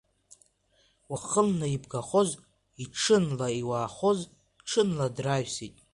Уахынла ибгахоз, ҽынла иуаахоз, ҽынла драҩсит.